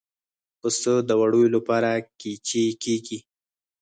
پسه د وړیو لپاره قیچي کېږي.